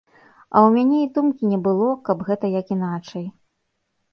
А ў мяне і думкі не было, каб гэта як іначай.